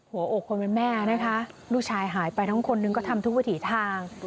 หัวอกคนเป็นแม่นะคะลูกชายหายไปทั้งคนนึงก็ทำทุกวิถีทาง